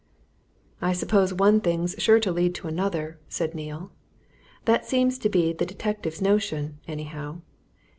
"I suppose one thing's sure to lead to another," said Neale. "That seems to be the detective's notion, anyhow.